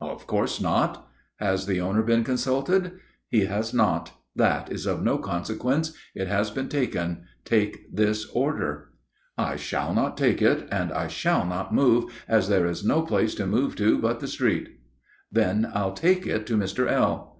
"Of course not." "Has the owner been consulted?" "He has not; that is of no consequence; it has been taken. Take this order." "I shall not take it, and I shall not move, as there is no place to move to but the street." "Then I'll take it to Mr. L."